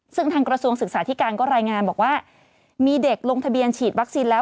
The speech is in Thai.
ซึ่งทางกระทรวงศึกษาธิการก็รายงานบอกว่ามีเด็กลงทะเบียนฉีดวัคซีนแล้ว